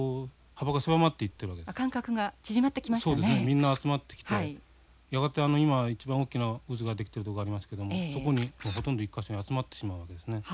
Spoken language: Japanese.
みんな集まってきてやがて今一番大きな渦が出来てるとこありますけどもそこにほとんど１か所に集まってしまうわけですね。